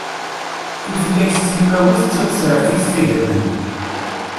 Tutlayt timawit d tamsertit tagamant.